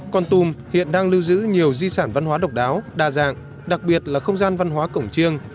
con tum hiện đang lưu giữ nhiều di sản văn hóa độc đáo đa dạng đặc biệt là không gian văn hóa cổng chiêng